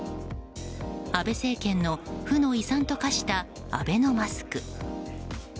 安倍政権の負の遺産と化したアベノマスク。